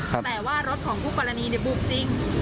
แต่ว่ารถของคู่กรณีบุกจริง